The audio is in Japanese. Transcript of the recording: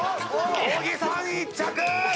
小木さん１着！